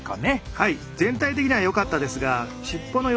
はい。